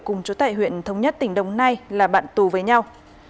cùng chú tại huyện thống nhất tỉnh đồng nai là bạn tù với nhau